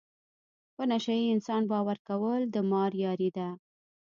په نشه یې انسان باور کول د مار یاري ده.